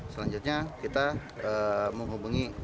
selanjutnya kita menghubungi